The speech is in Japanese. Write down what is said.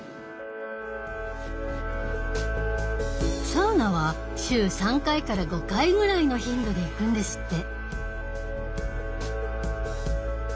サウナは週３回から５回ぐらいの頻度で行くんですって。